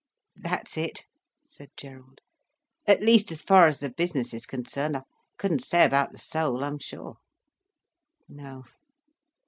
"That's it," said Gerald. "At least as far as the business is concerned. I couldn't say about the soul, I'am sure." "No."